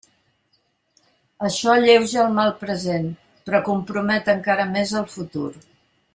Això alleuja el mal present, però compromet encara més el futur.